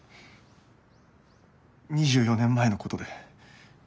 ２４年前のことで。